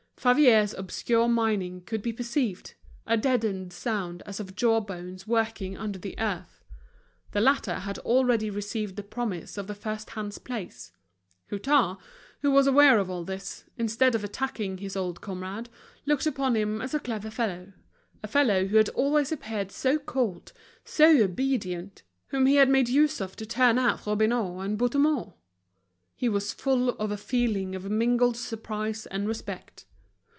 Favier's obscure mining could be perceived—a deadened sound as of jawbones working under the earth. The latter had already received the promise of the first hand's place. Hutin, who was aware of all this, instead of attacking his old comrade, looked upon him as a clever fellow—a fellow who had always appeared so cold, so obedient, whom he had made use of to turn out Robineau and Bouthemont! He was full of a feeling of mingled surprise and respect.